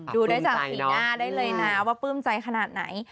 ดูได้จากสีหน้าได้เลยนะว่าปลื้มใจขนาดไหน